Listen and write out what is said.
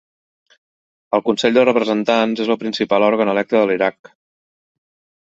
El Consell de Representants és el principal òrgan electe de l'Iraq.